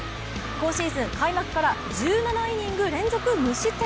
今シーズン開幕から１７イニング連続無失点。